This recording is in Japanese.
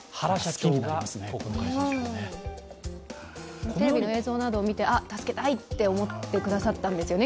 テレビの映像などを見て助けたいと思ってくださったんでしょうね。